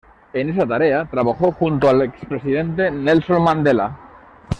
En esa tarea trabajó junto al expresidente Nelson Mandela.